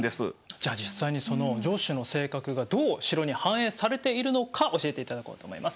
じゃあ実際にその城主の性格がどう城に反映されているのか教えていただこうと思います。